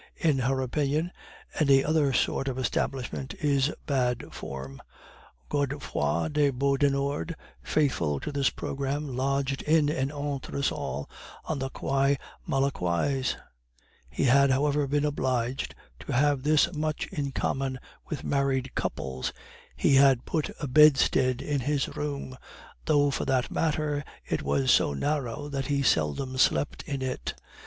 In her opinion, any other sort of establishment is bad form. Godefroid de Beaudenord, faithful to this programme, lodged on an entresol on the Quai Malaquais; he had, however, been obliged to have this much in common with married couples, he had put a bedstead in his room, though for that matter it was so narrow that he seldom slept in it.